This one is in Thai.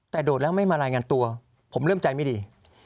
แต่โดดแล้วไม่มารายงานตัวผมเริ่มใจไม่ดี